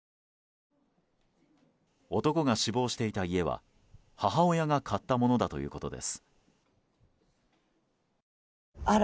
男が死亡していた家は母親が買ったものだということです。